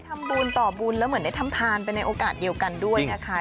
ทำบุญต่อบุญแล้วเหมือนได้ทำทานไปในโอกาสเดียวกันด้วยนะคะ